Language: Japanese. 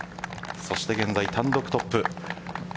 そして現在、単独トップ。